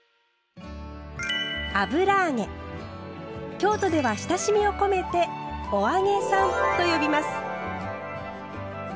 京都では親しみを込めて「お揚げさん」と呼びます。